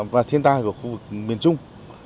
và thiên tai của khu vực miền trung